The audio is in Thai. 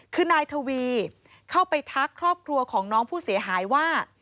คือนายทวีเข้าไปทักครอบครัวของน้องผู้เสียหายว่า